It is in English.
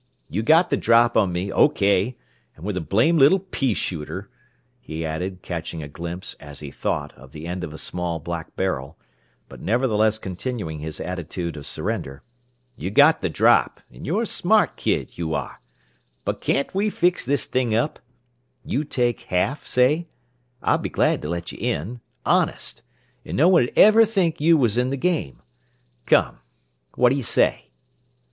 You got the drop on me, O K and with a blame little pea shooter," he added, catching a glimpse, as he thought, of the end of a small black barrel, but nevertheless continuing his attitude of surrender. "You got the drop and you're a smart kid, you are but can't we fix this thing up? You take half, say? I'd be glad to let you in. Honest! An' no one'd ever think you was in the game. Come, what d' y' say?"